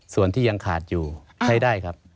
ส่วนที่ยังขาดอยู่ใช้ได้ครับ